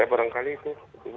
ya barangkali itu